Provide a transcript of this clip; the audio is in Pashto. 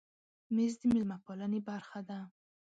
مېز د مېلمه پالنې برخه ده.